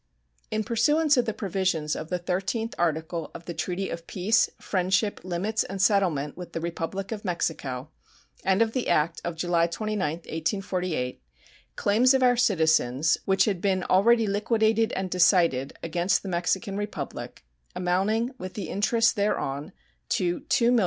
In pursuance of the provisions of the thirteenth article of the treaty of peace, friendship, limits, and settlement with the Republic of Mexico, and of the act of July 29, 1848, claims of our citizens, which had been "already liquidated and decided, against the Mexican Republic" amounting, with the interest thereon, to $2,023,832.